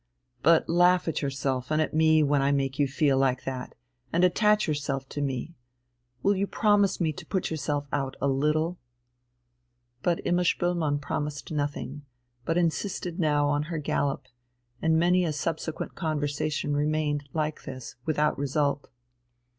But laugh at yourself and at me when I make you feel like that, and attach yourself to me. Will you promise me to put yourself out a little?" But Imma Spoelmann promised nothing, but insisted now on her gallop; and many a subsequent conversation remained, like this, without result.